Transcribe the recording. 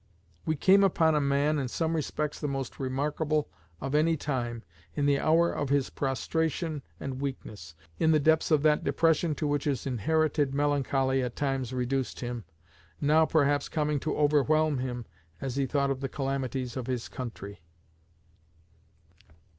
We came upon a man, in some respects the most remarkable of any time, in the hour of his prostration and weakness in the depths of that depression to which his inherited melancholy at times reduced him, now perhaps coming to overwhelm him as he thought of the calamities of his country."